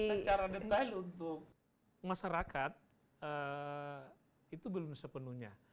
secara detail untuk masyarakat itu belum sepenuhnya